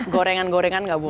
gorengan gorengan nggak boleh